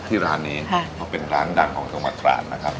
คุณแมคก็มา